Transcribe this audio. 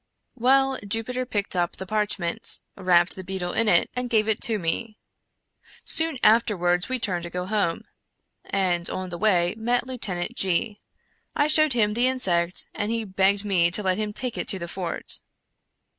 " Well, Jupiter picked up the parchment, wrapped the beetle in it, and gave it to me. Soon afterwards we turned to go home, and on the way met Lieutenant G . I showed him the insect, and he begged me to let him take it to the fort.